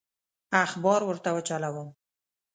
اخبار ورته وچلوم.